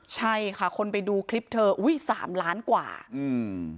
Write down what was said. ใช่ค่ะคนไปดูคลิปเธออุ้ยสามล้านกว่าอืม